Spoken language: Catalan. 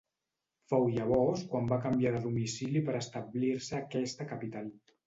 Fou llavors quan va canviar de domicili per establir-se a aquesta capital.